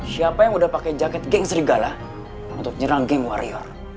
siapa yang udah pakai jaket geng serigala untuk nyerang game warrior